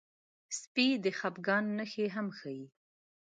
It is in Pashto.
سپي د خپګان نښې هم ښيي.